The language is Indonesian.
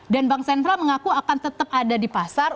bank sentral mengaku akan tetap ada di pasar